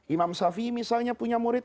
imam shafi'i misalnya punya murid